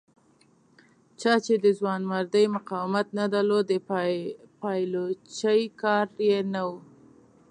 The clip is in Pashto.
چا چې د ځوانمردۍ مقاومت نه درلود د پایلوچۍ کار یې نه و.